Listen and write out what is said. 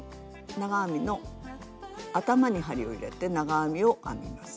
長編みの頭に針を入れて長編みを編みます。